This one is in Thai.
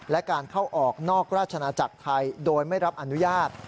และการเข้าออกนอกราชนาจักรไทยโดยไม่รับอนุญาต